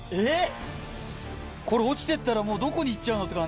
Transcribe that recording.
これ落ちてったらどこに行っちゃうのって感じ。